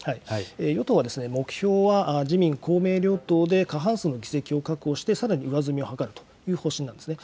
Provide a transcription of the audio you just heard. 与党は、目標は自民、公明両党で過半数の議席を確保してさらに上積みを図るという方針なんですね。